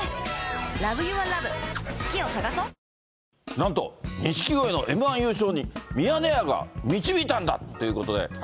なんと、錦鯉のＭー１優勝に、ミヤネ屋が導いたんだっていうことで。